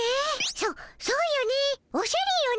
そそうよねおしゃれよね。